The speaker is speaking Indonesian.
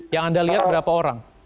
yang anda lihat berapa orang